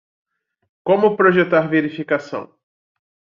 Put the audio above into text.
Como projetar verificação